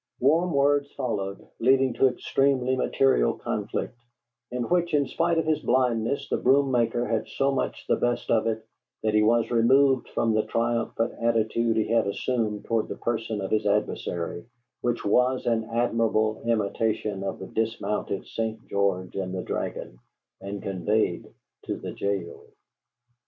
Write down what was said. Warm words followed, leading to extremely material conflict, in which, in spite of his blindness, the broom maker had so much the best of it that he was removed from the triumphant attitude he had assumed toward the person of his adversary, which was an admirable imitation of the dismounted St. George and the Dragon, and conveyed to the jail.